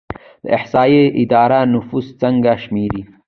د احصایې اداره نفوس څنګه شمیري؟